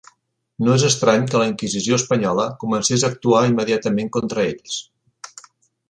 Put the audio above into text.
No és estrany que la Inquisició espanyola comencés actuar immediatament contra ells.